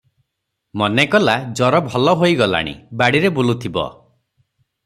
ମନେ କଲା, ଜର ଭଲ ହୋଇ ଗଲାଣି, ବାଡ଼ିରେ ବୁଲୁଥିବ ।